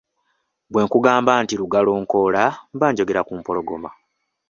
Bwe nkugamba nti lugalonkoola mba njogera ku mpologoma.